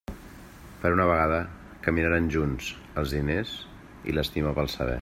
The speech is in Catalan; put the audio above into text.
Per una vegada caminaren junts els diners i l'estima pel saber.